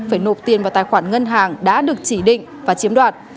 phải nộp tiền vào tài khoản ngân hàng đã được chỉ định và chiếm đoạt